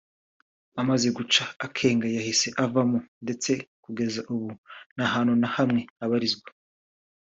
amaze guca akenge yahise avamo ndetse kugeza ubu nta hantu na hamwe abarizwa